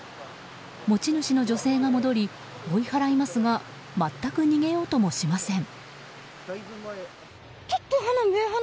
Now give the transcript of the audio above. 持ち主の女性が戻り追い払いますが全く逃げようともしません。